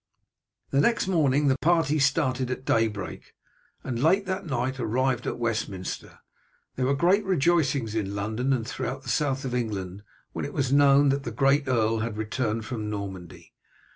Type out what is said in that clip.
The next morning the party started at daybreak, and late that night arrived at Westminster. There were great rejoicings in London and throughout the south of England when it was known that the great earl had returned from Normandy.